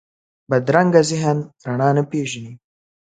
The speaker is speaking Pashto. بدرنګه ذهن رڼا نه پېژني